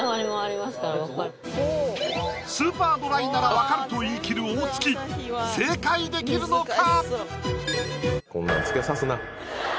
スーパードライなら分かると言い切る大月正解できるのか